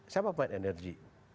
siapa yang main energi